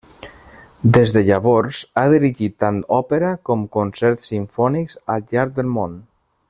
Des de llavors ha dirigit tant òpera com concerts simfònics al llarg del món.